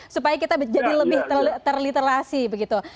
supaya kita jadi lebih terliterasi begitu